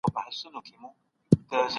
ايا حضوري زده کړه د ټولګي ګډون پیاوړی کوي؟